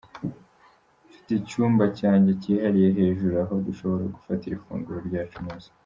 Mfite icyumba cyanjye cyihariye hejuru aho dushobora gufatira ifunguro ryacu neza.